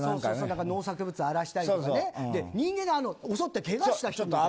農作物を荒らしたり人間を襲ってけがしたり。